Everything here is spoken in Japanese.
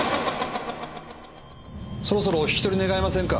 そろそろお引き取り願えませんか。